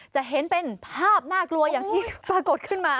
จะเห็นเป็นภาพน่ากลัวอย่างที่ปรากฏขึ้นมา